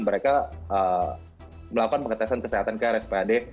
mereka melakukan pengetesan kesehatan ke rspad